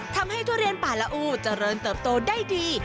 ทำให้ทุเรียนป่าลอู้จะเริ่มเติบโตได้ดี